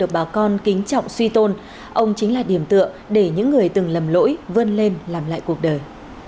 bà con kính trọng suy tôn ông chính là điểm tựa để những người từng lầm lỗi vươn lên làm lại cuộc đời